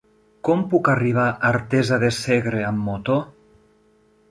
Com puc arribar a Artesa de Segre amb moto?